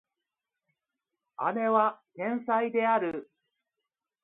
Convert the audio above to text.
姉は天才である